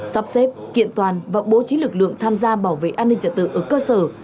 sắp xếp kiện toàn và bố trí lực lượng tham gia bảo vệ an ninh trật tự ở cơ sở